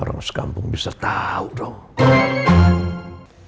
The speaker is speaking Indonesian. orang sekampung bisa tahu dong